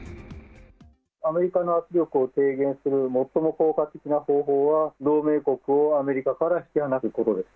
アメリカの圧力を低減する効果的な方法は、同盟国をアメリカから引き離すことです。